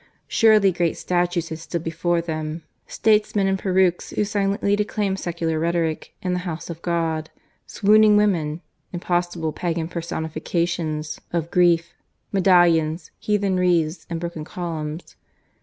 Surely great statues had stood before them statesmen in perukes who silently declaimed secular rhetoric in the house of God, swooning women, impossible pagan personifications of grief, medallions, heathen wreaths, and broken columns.